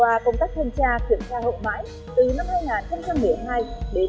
về công tác nữ phẩm